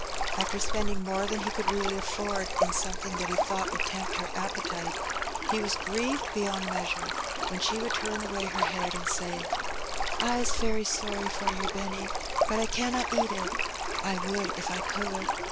After spend ing more than he could really afford in something that he thought would tempt her appetite, he was grieved beyond measure when she would turn away her head and say — "Fs very sorry for yer, Benny, but I canna eat it; I would if I could.